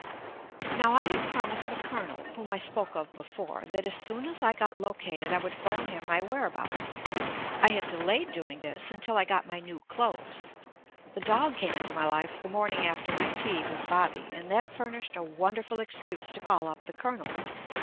Now I had promised the Colonel (whom I JUST ME v spoke of before) that as soon as I got located, I would phone him my whereabouts. I had delayed doing this until I got my new clothes. The dog came into my life the morning after my tea with "Bobby," and that furnished a wonderful excuse to call up the Colonel.